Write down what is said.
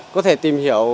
có thể tìm hiểu